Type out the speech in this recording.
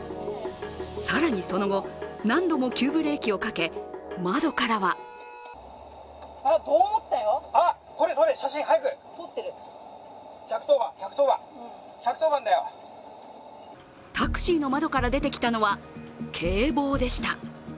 更にその後、何度も急ブレーキをかけ窓からはタクシーの窓から出てきたのは警棒でした。